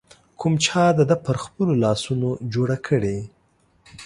کوم چا د ده پر خپلو لاسونو جوړه کړې